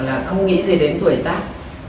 là không nghĩ gì đến tuổi tác